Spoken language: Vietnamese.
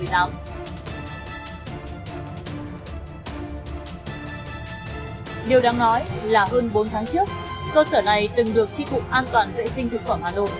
điều đáng nói là hơn bốn tháng trước cơ sở này từng được tri cục an toàn vệ sinh thực phẩm hà nội